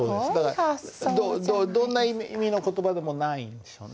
どんな意味の言葉でもないんでしょうね。